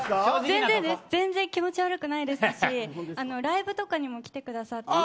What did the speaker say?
全然です全然気持ち悪くないですしライブとかにも来てくださって。